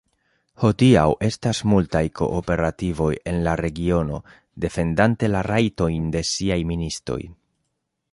Hodiaŭ estas multaj kooperativoj en la regiono defendante la rajtojn de siaj ministoj.